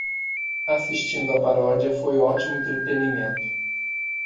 Assistindo a paródia foi ótimo entretenimento.